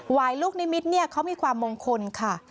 วายลูกนิมิตรเขามีความมงคลค่ะ